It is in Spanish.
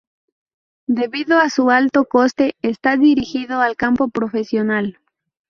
Debido a su alto coste, está dirigido al campo profesional.